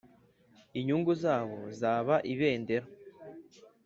inyungu zabo zaba ibendera;